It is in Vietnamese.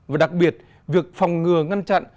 và đặc biệt việc phòng ngừa ngăn chặn